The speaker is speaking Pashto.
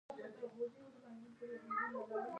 له ځان څخه د خېټوکراسۍ اوتې بوتې ميدان ته اچوي.